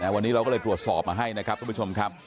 วันนี้เราก็เลยตรวจสอบมาให้นะครับทุกผู้ชมครับ